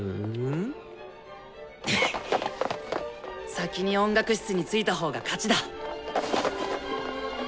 先に音楽室に着いたほうが勝ちだ！